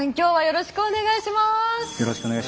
よろしくお願いします。